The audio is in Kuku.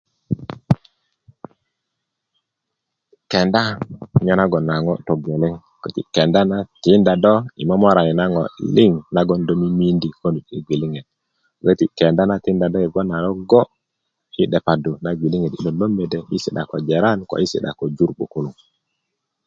kenda nyenagon a ŋo togeleŋ köti kenda na tinda do i momorani na ŋo liŋ nago do mimindi konu i gwiliŋet köti kenda tinda do bgoŋ logo yi 'depadu na gwiliŋet i lot lo mede köti ko i si'da ko joran köti ko jur 'bukuluŋ